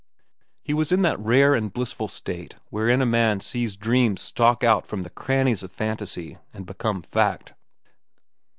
He was in that rare and blissful state wherein a man sees his dreams stalk out from the crannies of fantasy and become fact.